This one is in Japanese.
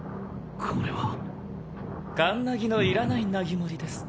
これカンナギのいらないナギモリ